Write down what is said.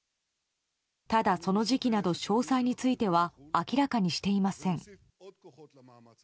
ただその時期など詳細については明らかにしていません。